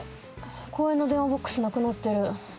公園の電話ボックスなくなってる。